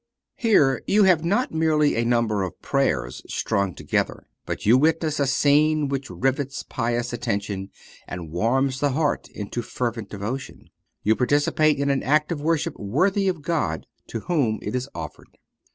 Here you have not merely a number of prayers strung together, but you witness a scene which rivets pious attention and warms the heart into fervent devotion. You participate in an act of worship worthy of God, to whom it is offered.